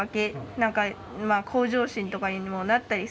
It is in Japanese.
何か向上心とかにもなったりするから。